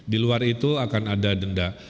di luar itu akan ada denda